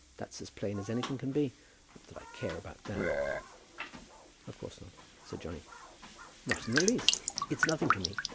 That's as plain as anything can be. Not that I care about that." "Of course not," said Johnny. "Not in the least. It's nothing to me.